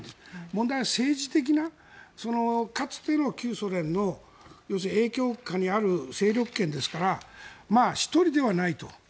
問題は政治的なかつての旧ソ連の影響下にある勢力圏ですから１人ではないと。